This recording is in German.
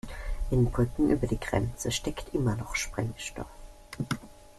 In Brücken über die Grenze steckt immer noch Sprengstoff.